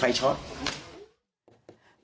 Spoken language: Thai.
หมาก็เห่าตลอดคืนเลยเหมือนมีผีจริง